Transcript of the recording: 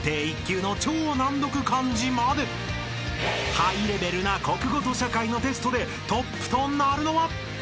［ハイレベルな国語と社会のテストでトップとなるのは！？］